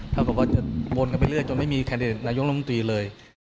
ถ้าบอกว่าจะโบนกันไปเรื่อยจนไม่มีแคดเดตนายกลมตีเลย